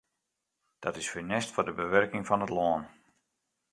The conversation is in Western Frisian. Dat is funest foar de bewurking fan it lân.